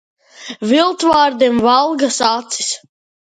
Viltvārdim valgas acis.